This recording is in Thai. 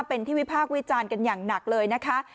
เป็นที่วิพากษ์วิจารณ์กันอย่างหนักเลยนะคะ